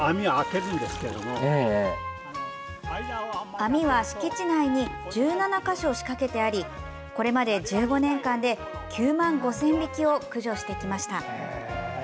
網は敷地内に１７か所仕掛けてありこれまで１５年間で９万５０００匹を駆除してきました。